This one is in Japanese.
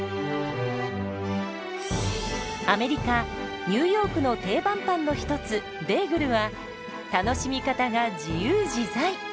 アメリカ・ニューヨークの定番パンの一つベーグルは楽しみ方が自由自在！